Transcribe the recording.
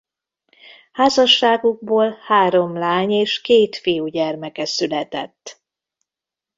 Házasságukból három lány- és két fiúgyermeke született.